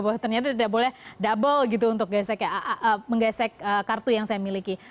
bahwa ternyata tidak boleh double gitu untuk menggesek kartu yang saya miliki